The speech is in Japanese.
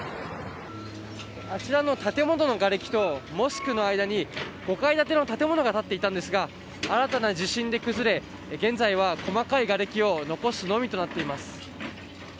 あちらの建物のがれきとモスクの間に５階建ての建物が立っていたんですが新たな地震で崩れ現在は細かいがれきを残すのみとなっています。